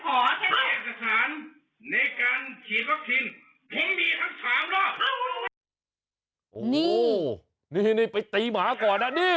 โอ้โหนี่นี่ไปตีหมาก่อนนะนี่